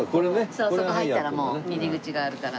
そうそこ入ったらもう入り口があるから。